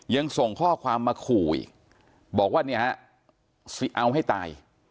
ยังส่งข้อความมาขู่อีกบอกว่าเนี่ยฮะสิเอาให้ตาย